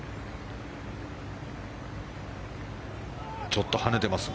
ちょっと跳ねてます